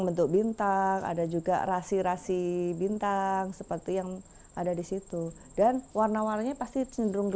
bentuk bintang ada juga rahasia bintang seperti yang ada di situ dan warna warna nya pasti cenderung